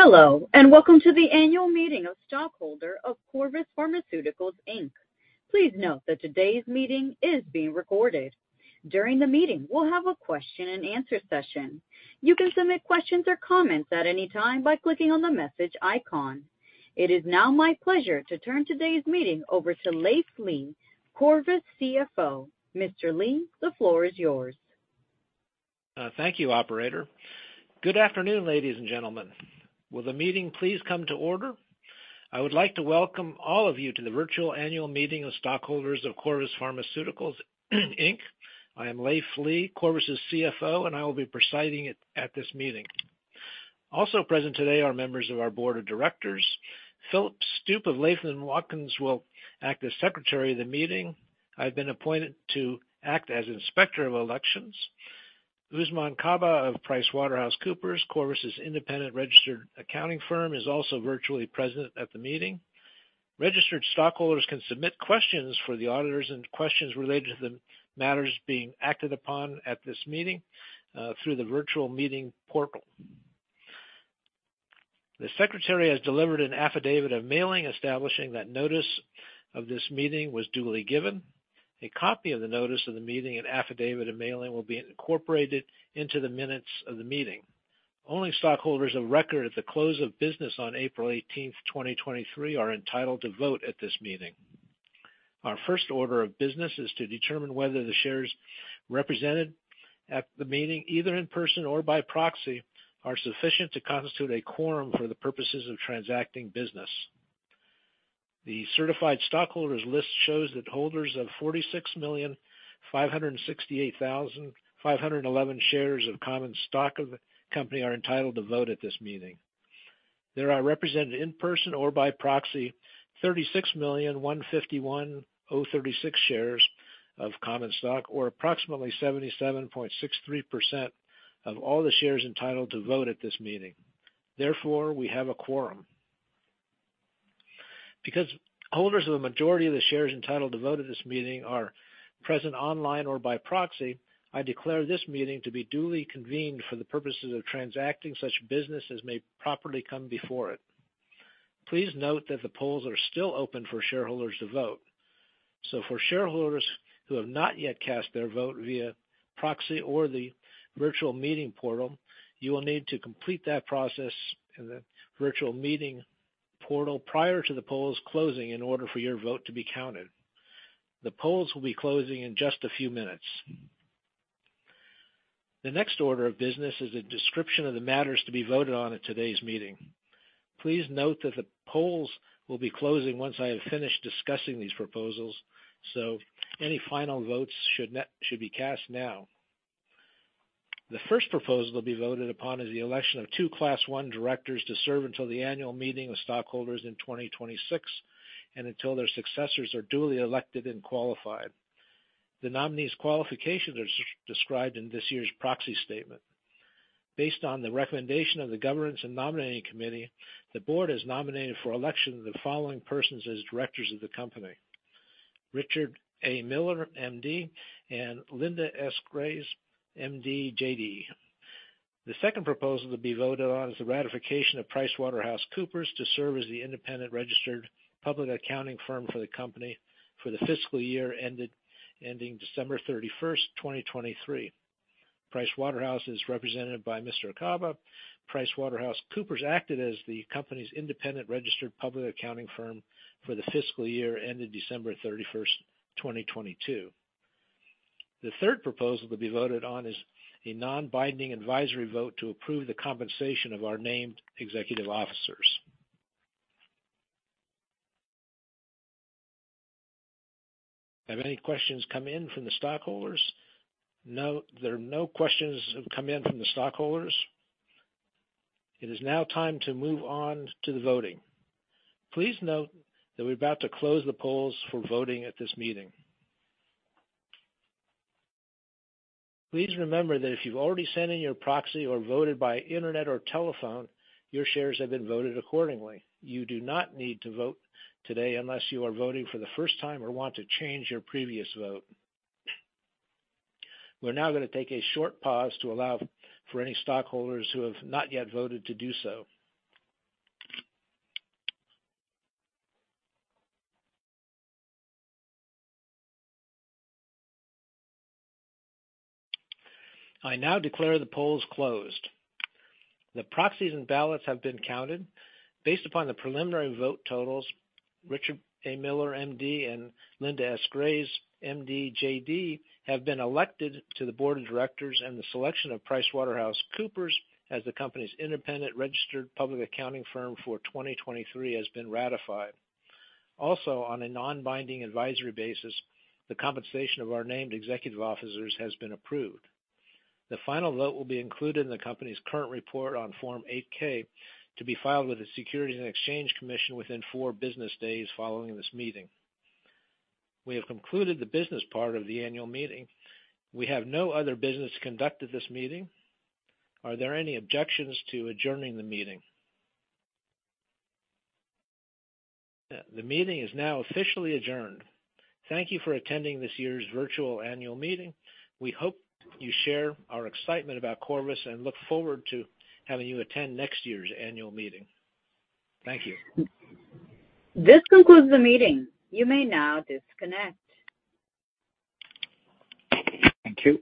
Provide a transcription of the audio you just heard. Hello, welcome to the Annual Meeting of Stockholder of Corvus Pharmaceuticals, Inc. Please note that today's meeting is being recorded. During the meeting, we'll have a question and answer session. You can submit questions or comments at any time by clicking on the message icon. It is now my pleasure to turn today's meeting over to Leiv Lea, Corvus CFO. Mr. Lea, the floor is yours. Thank you, operator. Good afternoon, ladies and gentlemen. Will the meeting please come to order? I would like to welcome all of you to the virtual annual meeting of stockholders of Corvus Pharmaceuticals Inc. I am Leiv Lea, Corvus's CFO, and I will be presiding at this meeting. Also present today are members of our board of directors. Philip Stoop of Latham & Watkins will act as Secretary of the meeting. I've been appointed to act as Inspector of Elections. Usman Kaba of PricewaterhouseCoopers, Corvus's independent registered accounting firm, is also virtually present at the meeting. Registered stockholders can submit questions for the auditors and questions related to the matters being acted upon at this meeting through the virtual meeting portal. The Secretary has delivered an affidavit of mailing, establishing that notice of this meeting was duly given. A copy of the notice of the meeting and affidavit of mailing will be incorporated into the minutes of the meeting. Only stockholders of record at the close of business on April 18th, 2023, are entitled to vote at this meeting. Our first order of business is to determine whether the shares represented at the meeting, either in person or by proxy, are sufficient to constitute a quorum for the purposes of transacting business. The certified stockholders list shows that holders of 46,568,511 shares of common stock of the company are entitled to vote at this meeting. There are represented in person or by proxy, 36,151,036 shares of common stock, or approximately 77.63% of all the shares entitled to vote at this meeting. Therefore, we have a quorum. Because holders of the majority of the shares entitled to vote at this meeting are present online or by proxy, I declare this meeting to be duly convened for the purposes of transacting such business as may properly come before it. Please note that the polls are still open for shareholders to vote. For shareholders who have not yet cast their vote via proxy or the virtual meeting portal, you will need to complete that process in the virtual meeting portal prior to the polls closing in order for your vote to be counted. The polls will be closing in just a few minutes. The next order of business is a description of the matters to be voted on at today's meeting. Please note that the polls will be closing once I have finished discussing these proposals, so any final votes should be cast now. The first proposal to be voted upon is the election of 2 Class I directors to serve until the annual meeting of stockholders in 2026, and until their successors are duly elected and qualified. The nominees' qualifications are described in this year's proxy statement. Based on the recommendation of the Governance and Nominating Committee, the board has nominated for election the following persons as directors of the company: Richard A. Miller, MD, and Linda S. Grais, MD, JD. The second proposal to be voted on is the ratification of PricewaterhouseCoopers to serve as the independent registered public accounting firm for the company for the fiscal year ending December 31st, 2023. Pricewaterhouse is represented by Mr. Kaba. PricewaterhouseCoopers acted as the company's independent registered public accounting firm for the fiscal year ended December 31st, 2022. The third proposal to be voted on is a non-binding advisory vote to approve the compensation of our named executive officers. Have any questions come in from the stockholders? No, there are no questions have come in from the stockholders. It is now time to move on to the voting. Please note that we're about to close the polls for voting at this meeting. Please remember that if you've already sent in your proxy or voted by internet or telephone, your shares have been voted accordingly. You do not need to vote today unless you are voting for the first time or want to change your previous vote. We're now gonna take a short pause to allow for any stockholders who have not yet voted to do so. I now declare the polls closed. The proxies and ballots have been counted. Based upon the preliminary vote totals, Richard A. Miller, MD, and Linda S. Grais, MD, JD, have been elected to the board of directors, and the selection of PricewaterhouseCoopers as the company's independent registered public accounting firm for 2023 has been ratified. Also, on a non-binding advisory basis, the compensation of our named executive officers has been approved. The final vote will be included in the company's current report on Form 8-K to be filed with the Securities and Exchange Commission within 4 business days following this meeting. We have concluded the business part of the annual meeting. We have no other business conducted this meeting. Are there any objections to adjourning the meeting? The meeting is now officially adjourned. Thank you for attending this year's virtual annual meeting. We hope you share our excitement about Corvus and look forward to having you attend next year's annual meeting. Thank you. This concludes the meeting. You may now disconnect. Thank you.